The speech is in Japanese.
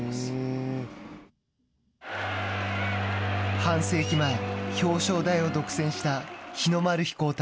半世紀前、表彰台を独占した日の丸飛行隊。